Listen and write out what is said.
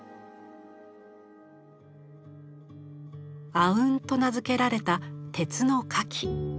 「阿吽」と名付けられた鉄の花器。